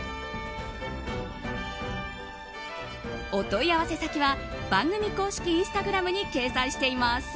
お問い合わせ先は番組公式インスタグラムに掲載しています。